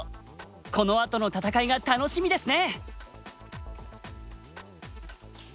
このあとの戦いが楽しみですね。